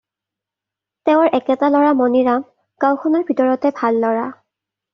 তেওঁৰ একেটা ল'ৰা মণিৰাম গাওঁখনৰ ভিতৰতে ভাল ল'ৰা।